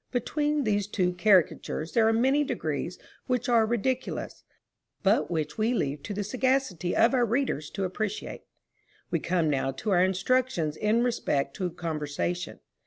Between these two caricatures there are many degrees which are ridiculous, but which we leave to the sagacity of our readers to appreciate. We come now to our instructions in respect to conversation.